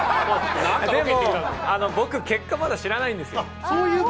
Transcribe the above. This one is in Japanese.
でも、僕、まだ結果知らないんですよ。